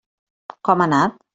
Com ha anat?